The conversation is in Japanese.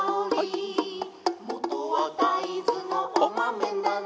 「もとはだいずのおまめなの」